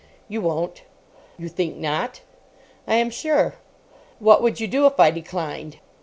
"You won't." "You think not?" "I am sure." "What would you do if I declined?"